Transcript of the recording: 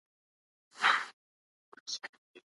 د ارغنداب سیند ترڅنګ د بزګرانو کورونه آباد دي.